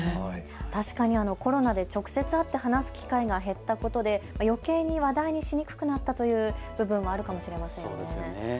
確かにコロナで直接会って話す機会が減ったことでよけいに話題にしにくくなったという部分もあるかもしれませんね。